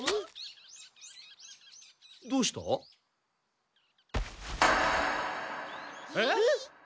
どうした？えっ？